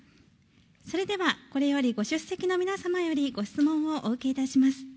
それではこれよりご出席の皆様よりご質問をお受けいたします。